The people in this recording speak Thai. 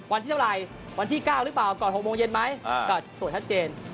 วันที่เท่าไหร่วันที่๙หรือเปล่าก่อน๖โมงเย็นไหมก็ตรวจชัดเจน